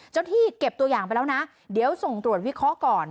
ที่เก็บตัวอย่างไปแล้วนะเดี๋ยวส่งตรวจวิเคราะห์ก่อน